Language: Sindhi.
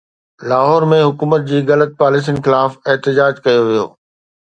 لاهور ۾ حڪومت جي غلط پاليسين خلاف احتجاج ڪيو ويو